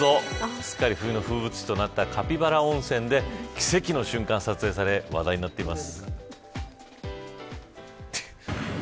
すっかり冬の風物詩となったカピバラ温泉で奇跡の瞬間が撮影され話題になっています。